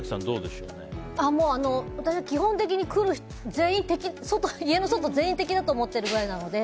私は基本的に家の外、全員敵だと思ってるくらいなので。